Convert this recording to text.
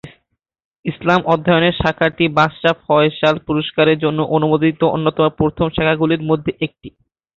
ইসলাম অধ্যয়নে শাখাটি বাদশাহ ফয়সাল পুরস্কারের জন্য অনুমোদিত অন্যতম প্রথম শাখাগুলির মধ্যে একটি।